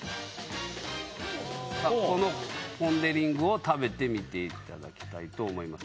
このポン・デ・リングを食べていただきたいと思います。